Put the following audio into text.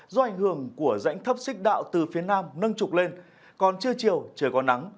do ảnh hưởng của rãnh thấp xích đạo từ phía nam nâng trục lên còn trưa chiều trời có nắng